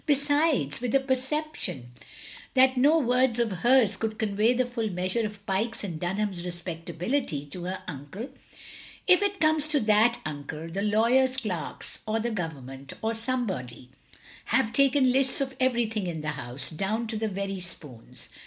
"Besides," with a perception that no words of hers could convey the full measure of Pyke's and Dunham's respectability to her uncle, " if it comes to that, Uncle, the lawyer's clerks, or the Government, or somebody — ^have taken lists of everything in the house, down to the very spoons.